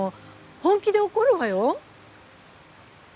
本気で怒るわよ？